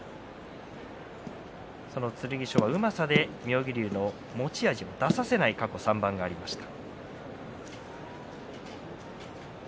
その剣翔、うまさで妙義龍の持ち味を出させない過去３番がありました。